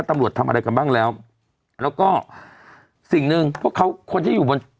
ตำรวจทำอะไรกันบ้างแล้วแล้วก็สิ่งหนึ่งพวกเขาคนที่อยู่บน